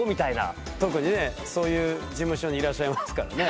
特にねそういう事務所にいらっしゃいますからね。